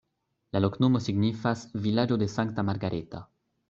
La loknomo signifas vilaĝo-de-Sankta Margareta.